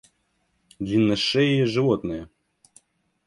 Длинношеее животное